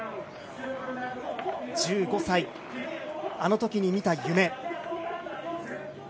１５歳、あのときに見た夢。